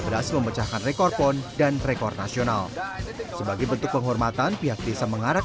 berhasil memecahkan rekor pon dan rekor nasional sebagai bentuk penghormatan pihak desa mengarah